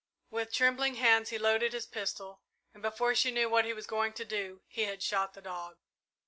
With trembling hands he loaded his pistol, and, before she knew what he was going to do, he had shot the dog.